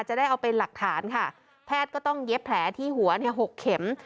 จะได้เอาเป็นหลักฐานค่ะแพทย์ก็ต้องเย็บแผลที่หัว๖เข็ม